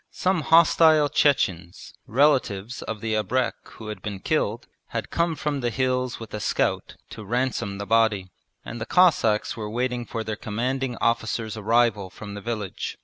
Some hostile Chechens, relatives of the abrek who had been killed, had come from the hills with a scout to ransom the body; and the Cossacks were waiting for their Commanding Officer's arrival from the village.